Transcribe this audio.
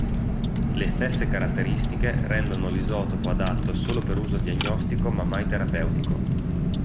Le stesse caratteristiche rendono l'isotopo adatto solo per uso diagnostico ma mai terapeutico.